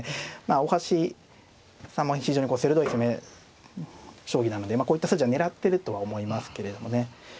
大橋さんは非常に鋭い攻め将棋なのでこういった筋は狙ってるとは思いますけれどもね。